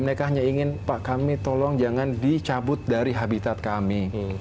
mereka hanya ingin pak kami tolong jangan dicabut dari habitat kami